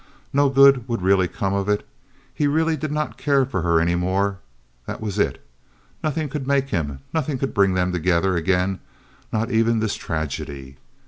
No good would really come of it. He really did not care for her any more—that was it. Nothing could make him, nothing could bring them together again, not even this tragedy.